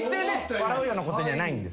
笑うようなことじゃないんで。